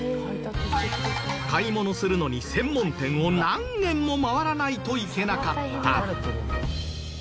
買い物するのに専門店を何軒も回らないといけなかった。